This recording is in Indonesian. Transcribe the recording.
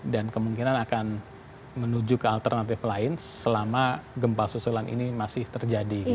dan kemungkinan akan menuju ke alternatif lain selama gempa susulan ini masih terjadi gitu